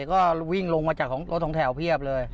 ก็วิ่งลงมาจากรถสองแถวเพียบเลย